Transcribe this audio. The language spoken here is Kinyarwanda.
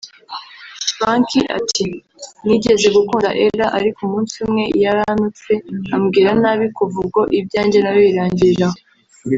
Frankie ati “Nigeze gukunda Ellah ariko umunsi umwe yarantutse ambwira nabi kuva ubwo ibyanjye na we birangirira aho